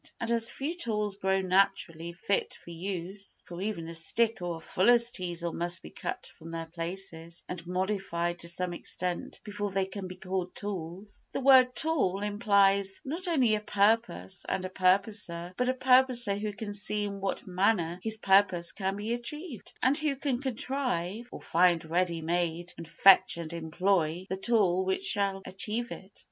And as few tools grow naturally fit for use (for even a stick or a fuller's teasel must be cut from their places and modified to some extent before they can be called tools), the word "tool" implies not only a purpose and a purposer, but a purposer who can see in what manner his purpose can be achieved, and who can contrive (or find ready made and fetch and employ) the tool which shall achieve it.